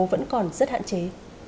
vẫn còn rất hạn chế